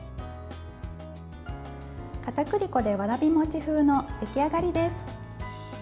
かたくり粉でわらびもち風の出来上がりです。